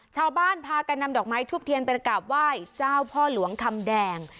ชาวบ้านพากันนำดอกไม้ทุบเทียนไปกราบไหว้เจ้าพ่อหลวงคำแดง